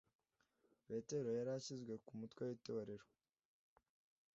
Petero yari ashyizwe ku mutwe w'itorero.